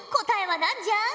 答えはなんじゃ。